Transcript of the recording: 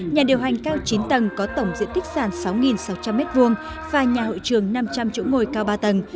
nhà điều hành cao chín tầng có tổng diện tích sàn sáu sáu trăm linh m hai và nhà hội trường năm trăm linh chỗ ngồi cao ba tầng